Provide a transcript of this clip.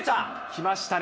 きましたね。